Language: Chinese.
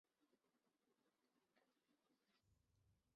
后来发现这些亮氨酸形成了卷曲螺旋的疏水核心。